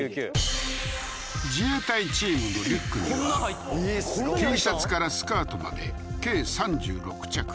自衛隊チームのリュックにはＴシャツからスカートまで計３６着